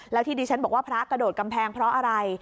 แล้วที่ดิฉันบอกว่าพระกระโดดกำแพงเพราะอะไร